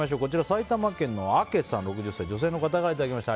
埼玉県の６０歳女性の方からいただきました。